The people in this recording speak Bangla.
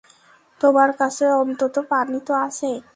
তোমার কাছে অনন্ত পানি তো আছে।